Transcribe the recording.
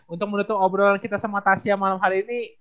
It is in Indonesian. untuk menutup obrolan kita sama tasya malam hari ini